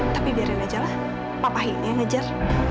tapi biarin aja lah papa ini yang ngejar